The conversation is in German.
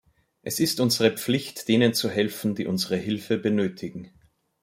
Es ist unsere Pflicht, denen zu helfen, die unsere Hilfe benötigen.